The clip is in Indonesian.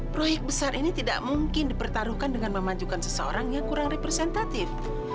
proyek besar ini tidak mungkin dipertaruhkan dengan memajukan seseorang yang kurang representatif